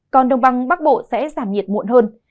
còn đông băng bắc bộ sẽ giảm nhiệt muộn hơn